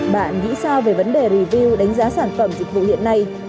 bạn nghĩ sao về vấn đề review đánh giá sản phẩm dịch vụ hiện nay